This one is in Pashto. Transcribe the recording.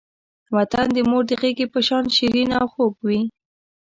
وطن د مور د غېږې په شان شیرین او خوږ وی.